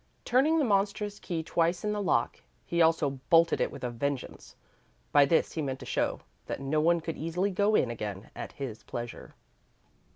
Turning the monstrous key twice in the lock, he also bolted it with a vengeance. By this he meant to show that no one could easily go in again at his pleasure.